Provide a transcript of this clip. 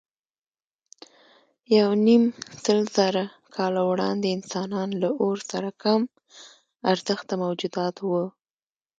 یونیمسلزره کاله وړاندې انسانان له اور سره کم ارزښته موجودات وو.